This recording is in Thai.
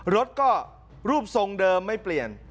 รถก็รูปทรงเดิมไม่เปลี่ยน